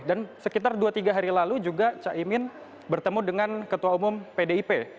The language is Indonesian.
dan sekitar dua tiga hari lalu juga caimin bertemu dengan ketua umum pdip